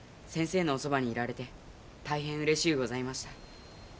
先生のおそばにいられて大変うれしゅうございました。